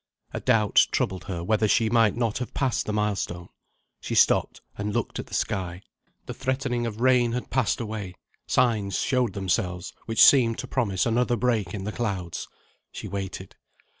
A doubt troubled her whether she might not have passed the milestone. She stopped and looked at the sky. The threatening of rain had passed away: signs showed themselves which seemed to promise another break in the clouds. She waited.